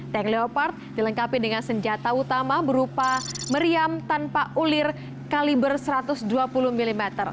tank leopard dilengkapi dengan senjata utama berupa meriam tanpa ulir kaliber satu ratus dua puluh mm